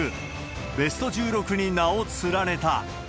ベスト１６に名を連ねた。